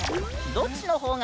どっちの方が。